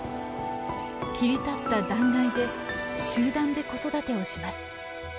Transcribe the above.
切り立った断崖で集団で子育てをします。